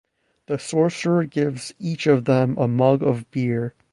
The sorcerer gives each of them a mug of beer.